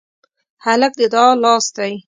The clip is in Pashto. هلک د دعا لاس دی.